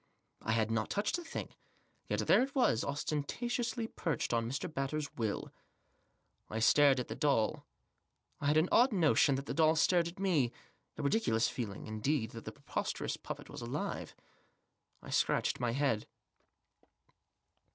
I had not touched the thing. Yet there it was, ostenta* tiously perched on Mr. Batters' will. I stated at the doll ) I had an odd notion that the doll stared at me } a ridiculous feeling, indeed, that the preposterous puppet was alive. I scratched my head.